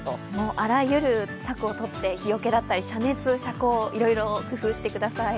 あらゆる策をとって日よけだったり、遮熱、遮光いろいろ工夫してください。